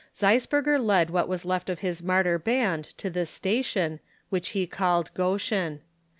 Zeisberger led what was left of his martyr band to this station, which he called Goshen.